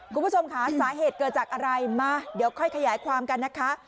คุณผู้ชมค่ะสาเหตุเกิดจากอะไรมาเดี๋ยวค่อยขยายความกันนะคะ